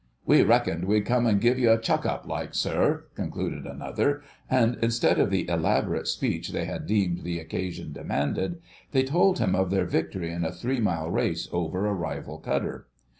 "We reckoned we'd come an' give you a chuck up, like, sir," concluded another, and instead of the elaborate speech they had deemed the occasion demanded, they told him of their victory in a three mile race over a rival cutter.